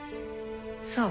そう。